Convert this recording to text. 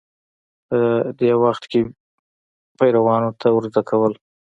په دې وخت کې پیروانو ته ورزده کول